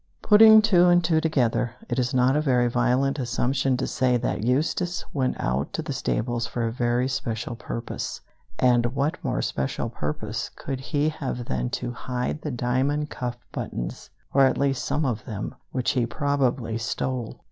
Putting two and two together, it is not a very violent assumption to say that Eustace went out to the stables for a very special purpose, and what more special purpose could he have than to hide the diamond cuff buttons, or at least some of them, which he probably stole!